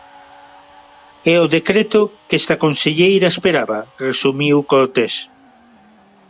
É o decreto que esta conselleira esperaba, resumiu Cortés.